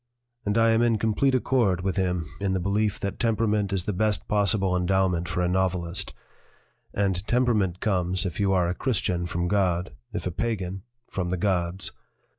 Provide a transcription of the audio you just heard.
And I am in complete accord with him in the belief that temperament is the best possible endowment for a novelist and temperament comes, if you are a Christian, from God; if a pagan, from the gods."